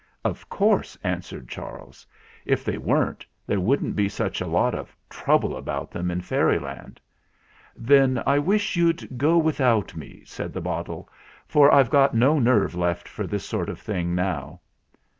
"Of course," answered Charles. "If they weren't, there wouldn't be such a lot of trouble about them in Fairyland." "Then I wish you'd go without me," said the bottle, "for I've got no nerve left for this sort of thing now."